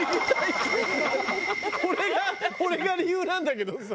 俺が俺が理由なんだけどさ。